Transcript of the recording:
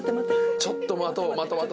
ちょっと待て。